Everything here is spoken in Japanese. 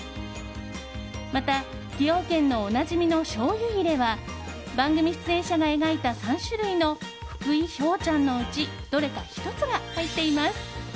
また、崎陽軒のおなじみのしょうゆ入れは番組出演者が描いた３種類の福井ひょうちゃんのうちどれか１つが入っています。